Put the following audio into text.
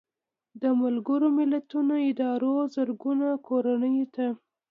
د ملګرو ملتونو ادارو زرګونو کورنیو ته